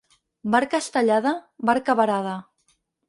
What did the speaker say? Barca estellada, barca varada.